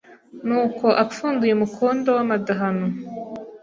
Nuko apfunduye umukondo w'amadahano